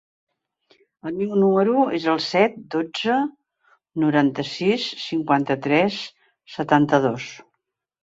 El meu número es el set, dotze, noranta-sis, cinquanta-tres, setanta-dos.